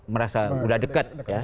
merasa udah dekat ya